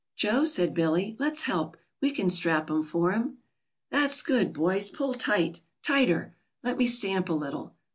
"Joe," said Billy, "let's help. We can strap 'em for him." "That's good, boys. Pull tight. Tighter. Let me stamp a little.